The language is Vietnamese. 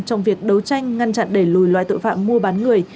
trong việc đấu tranh ngăn chặn đẩy lùi loại tội phạm mua bán người